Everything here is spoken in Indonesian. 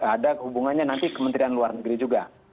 ada hubungannya nanti kementerian luar negeri juga